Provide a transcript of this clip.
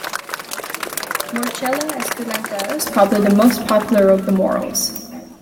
"Morchella esculenta" is probably the most popular of the morels.